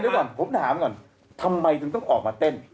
เดี๋ยวก่อนผมถามก่อนทำไมถึงต้องออกมาเต้น